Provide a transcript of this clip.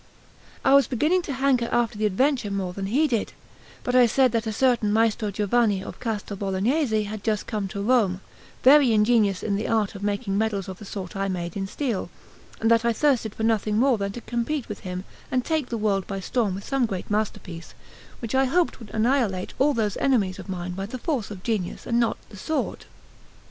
I was beginning to hanker after the adventure more than he did; but I said that a certain Maestro Giovanni of Castel Bolognese had just come to Rome, very ingenious in the art of making medals of the sort I made in steel, and that I thirsted for nothing more than to compete with him and take the world by storm with some great masterpiece, which I hoped would annihilate all those enemies of mine by the force of genius and not the sword.